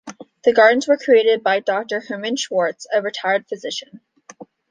The gardens were created by Doctor Herman Schwartz, a retired physician.